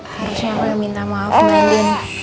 harusnya aku yang minta maaf mbak andien